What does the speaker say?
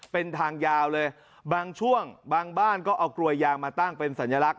เป็นทางยาวเลยบางช่วงบางบ้านก็เอากลวยยางมาตั้งเป็นสัญลักษ